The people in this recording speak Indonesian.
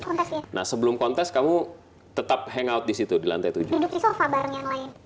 kontes ya nah sebelum kontes kamu tetap hangout disitu di lantai tujuh duduk di sofa bareng yang lain